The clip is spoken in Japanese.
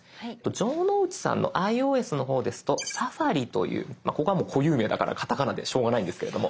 城之内さんのｉＯＳの方ですと「Ｓａｆａｒｉ」というここはもう固有名だからカタカナでしょうがないんですけれども「サファリ」。